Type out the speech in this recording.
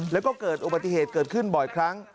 แล้วก็เกิดอุบัติเหตุเกิดขึ้นบ่อยครั้ง